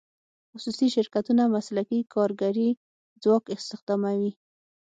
خصوصي شرکتونه مسلکي کارګري ځواک استخداموي.